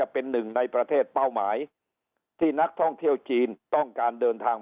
เป็นหนึ่งในประเทศเป้าหมายที่นักท่องเที่ยวจีนต้องการเดินทาง